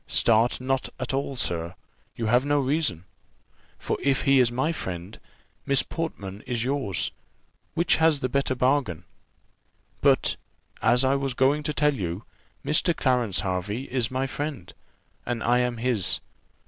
Start not at all, sir, you have no reason; for if he is my friend, Miss Portman is yours: which has the better bargain? But, as I was going to tell you, Mr. Clarence Hervey is my friend, and I am his.